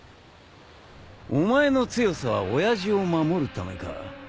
お前の強さは親父を守るためか？